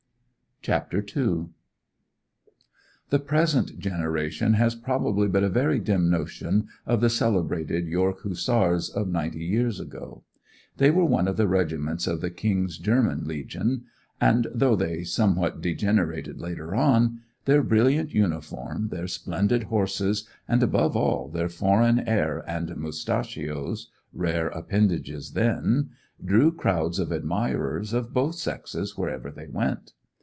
CHAPTER II The present generation has probably but a very dim notion of the celebrated York Hussars of ninety years ago. They were one of the regiments of the King's German Legion, and (though they somewhat degenerated later on) their brilliant uniform, their splendid horses, and above all, their foreign air and mustachios (rare appendages then), drew crowds of admirers of both sexes wherever they went.